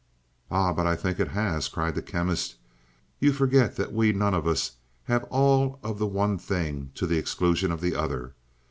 "Ah, but I think it has," cried the Chemist. "You forget that we none of us have all of the one thing to the exclusion of the other.